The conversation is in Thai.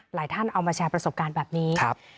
ท่านเอามาแชร์ประสบการณ์แบบนี้